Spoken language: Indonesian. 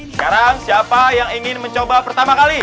sekarang siapa yang ingin mencoba pertama kali